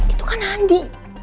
itu kan andi